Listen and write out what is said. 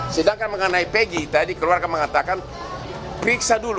sedangkan mengenai pegi tadi keluarga mengatakan periksa dulu